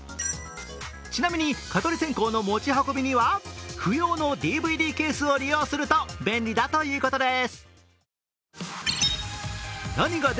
ちなみに蚊取り線香の持ち運びには不要のＤＶＤケースを利用すると便利だということです。